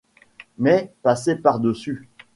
mais passer par-dessus !